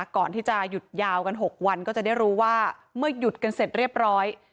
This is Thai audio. ก่อนที่จะหยุดยาวกัน๖วันก็จะได้รู้ว่าเมื่อหยุดกันเสร็จเรียบร้อย